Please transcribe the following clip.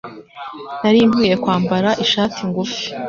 Nari nkwiye kwambara ishati ngufi.